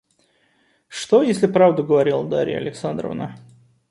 Что, если правду говорила Дарья Александровна?